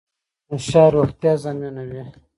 نشه روغتیا زیانمنوي .